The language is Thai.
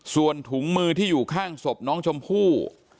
ส่วนถุงมือที่อยู่ข้างศพน้องชมพู่